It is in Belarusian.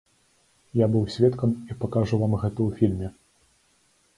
Я быў сведкам і пакажу вам гэта ў фільме.